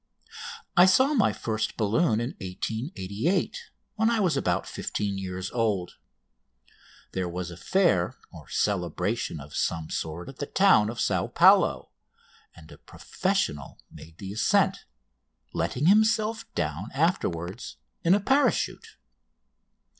I saw my first balloon in 1888, when I was about fifteen years old. There was a fair or celebration of some sort at the town of Sao Paulo, and a professional made the ascent, letting himself down afterwards in a parachute.